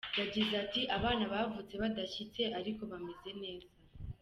Yagize ati “Abana bavutse badashyitse ariko bameze neza.